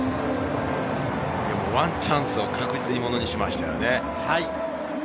ワンチャンスを確実にものにしましたね。